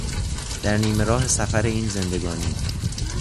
در نیمه راه سفر این زندگانی